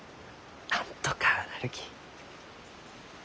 なんとかなるき。